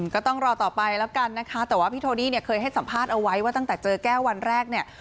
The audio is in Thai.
ก็ต้องรอต่อไปแล้วกันนะคะแต่ว่าพี่โทดี้เนี่ยเคยให้สัมภาษณ์เอาไว้ว่าตั้งแต่เจอแก้ววันแรกเนี่ย